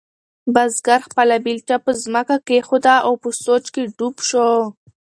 بزګر خپله بیلچه په ځمکه کېښوده او په سوچ کې ډوب شو.